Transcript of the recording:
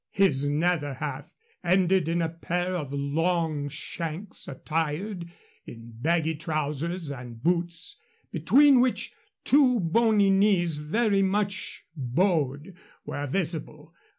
His nether half ended in a pair of long shanks attired in baggy trousers and boots, between which two bony knees, very much bowed, were visible.